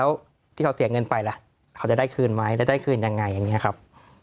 แล้วที่เขาเสียเงินไปล่ะเขาจะได้คืนไหมแล้วได้คืนยังไงอย่างนี้ครับ